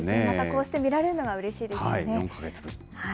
またこうして見られるのがうれし４か月ぶり。